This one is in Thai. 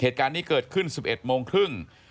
เหตุการณ์นี้เกิดขึ้น๑๑โมงครึ่ง